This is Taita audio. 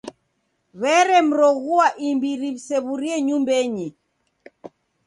W'eremroghua imbiri w'isew'urie nyumbenyi.